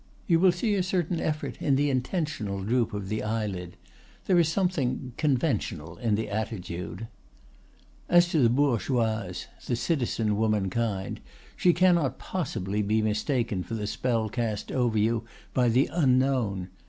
You will see a certain effort in the intentional droop of the eyelid. There is something conventional in the attitude. "As to the bourgeoise, the citizen womankind, she cannot possibly be mistaken for the spell cast over you by the Unknown.